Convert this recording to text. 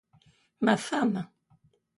Ma femme!